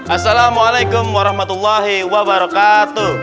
asalamualaikum warahmatullahi wabarakatuh